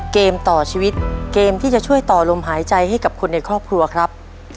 เกมต่อชีวิตเกมที่จะช่วยต่อลมหายใจให้กับคนในครอบครัวครับ